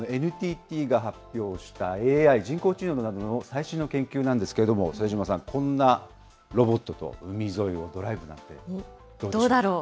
ＮＴＴが発表したＡＩ・人工知能などの最新の研究なんですけれども、副島さん、こんなロボットと海沿いをドライブなんてどうでしょう。